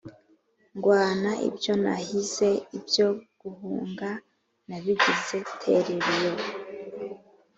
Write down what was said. Ndwana ibyo nahize, ibyo guhunga nabigize terera iyo,